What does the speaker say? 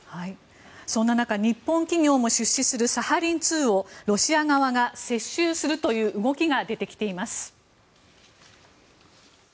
そんな中日本企業も出資するサハリン２をロシア側が接収するという動きが出てきています。